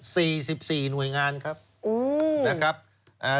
สี่สิบสี่หน่วยงานครับอืมนะครับอ่า